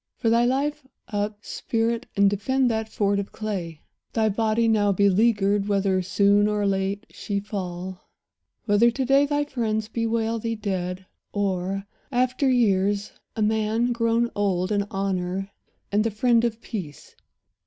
For thy life, Up, spirit, and defend that fort of clay, Thy body, now beleaguered; whether soon Or late she fall; whether to day thy friends Bewail thee dead, or, after years, a man Grown old in honour and the friend of peace.